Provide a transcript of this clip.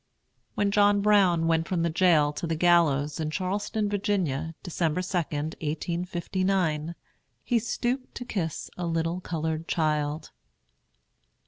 [When John Brown went from the jail to the gallows, in Charlestown, Virginia, December 2, 1859, he stooped to kiss a little colored child.